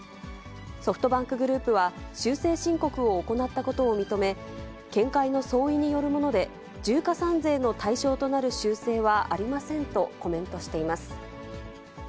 ソフトバンクグループは、修正申告を行ったことを認め、見解の相違によるもので、重加算税の対象となる修正はありませんとコメントしています。